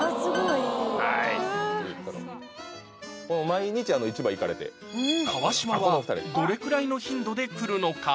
毎日市場行かれて川島はどれくらいの頻度で来るのか？